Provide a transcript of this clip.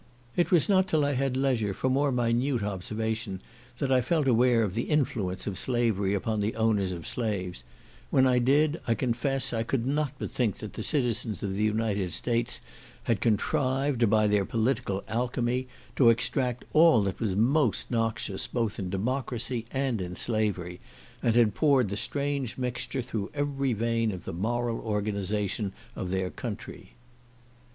It was not till I had leisure for more minute observation that I felt aware of the influence of slavery upon the owners of slaves; when I did, I confess I could not but think that the citizens of the United States had contrived, by their political alchymy, to extract all that was most noxious both in democracy and in slavery, and had poured the strange mixture through every vein of the moral organization of their country.